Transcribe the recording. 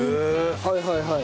はいはいはい。